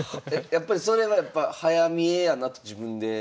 やっぱりそれはやっぱ早見えやなと自分で？